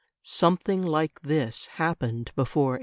Something like this happened before 1865.